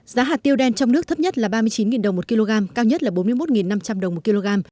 giá hạt tiêu đen trong nước thấp nhất là ba mươi chín đồng một kg cao nhất là bốn mươi một năm trăm linh đồng một kg